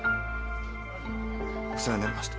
お世話になりました。